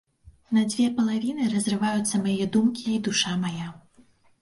На дзве палавіны разрываюцца мае думкі і душа мая.